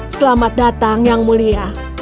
selamat datang yang mulia